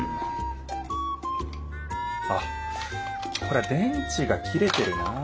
あっこれ電池が切れてるなあ。